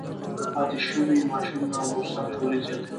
پاتې شوي ماشینونه او موسسات تولید زیاتوي